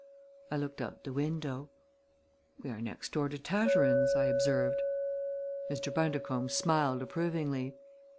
I looked out the window. "We are next door to Tarteran's," I observed. Mr. Bundercombe smiled approvingly.